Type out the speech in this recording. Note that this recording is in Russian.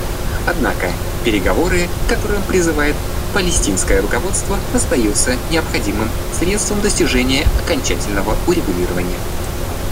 Однако переговоры, к которым призывает палестинское руководство, остаются необходимым средством достижения окончательного урегулирования.